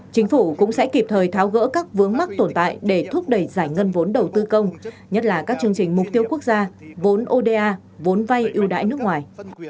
chính phủ cũng sẽ kịp thời tháo gỡ các vướng mắc tồn tại để thúc đẩy giải ngân vốn đầu tư công nhất là các chương trình mục tiêu quốc gia vốn oda vốn vay ưu đãi nước ngoài